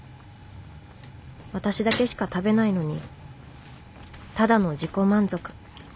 私だけしか食べないのにただの自己満足。